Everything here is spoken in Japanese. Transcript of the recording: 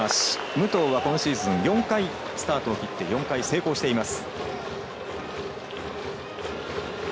武藤は今シーズン４回スタートを切って４回成功しています。